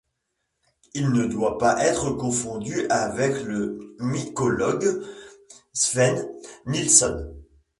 Il ne doit pas être confondu avec le mycologue Sven Nilsson.